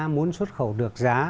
muốn xuất khẩu được giá